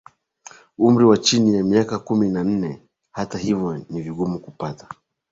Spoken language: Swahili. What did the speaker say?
umri wa chini ya miaka kumi na nne Hata hivyo ni vigumu kupata